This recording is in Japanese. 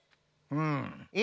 うん？